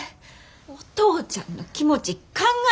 お父ちゃんの気持ち考え。